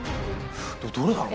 どれだろう？